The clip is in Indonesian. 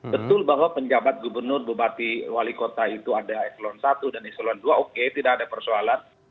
betul bahwa penjabat gubernur bupati wali kota itu ada eselon satu dan eselon dua oke tidak ada persoalan